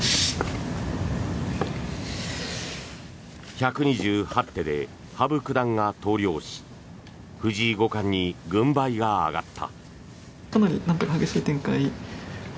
１２８手で羽生九段が投了し藤井五冠に軍配が上がった。